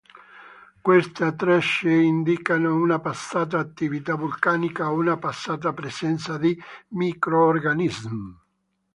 Queste tracce indicano una passata attività vulcanica o una passata presenza di microrganismi.